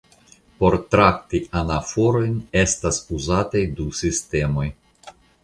Por trakti anaforojn estas uzataj du sistemoj.